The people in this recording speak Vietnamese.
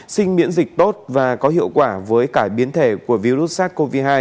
sinh miễn dịch tốt và có hiệu quả với cả biến thể của virus sars cov hai